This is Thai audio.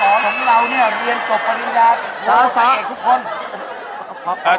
วะลงเรียนครับวะลงเรียนครับ